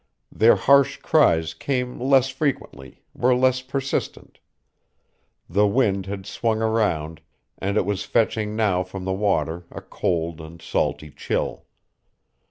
Their harsh cries came less frequently, were less persistent. The wind had swung around, and it was fetching now from the water a cold and salty chill.